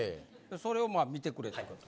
それをまあ観てくれってこと？